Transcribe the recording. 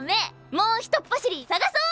もうひとっ走り探そう！